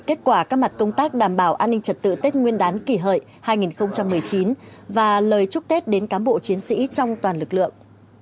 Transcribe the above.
kết quả các mặt công tác đảm bảo an ninh trật tự tết nguyên đán kỷ hợi hai nghìn một mươi chín và lời chúc tết đến cám bộ chiến sĩ trong toàn lực lượng